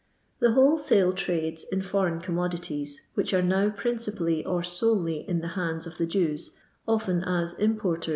The wholesale trades in foreign commoditiet which are now priucipall j or aolely in the handi of th» Jcwf, often oi importer!